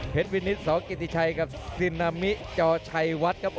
เพชรวินิสต์สกิตตี้ชัยกับซินามิจชัยวัดครับ